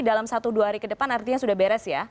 dalam satu dua hari ke depan artinya sudah beres ya